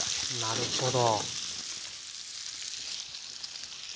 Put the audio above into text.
なるほど。